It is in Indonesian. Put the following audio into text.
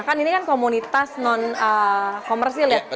kan ini kan komunitas non komersil ya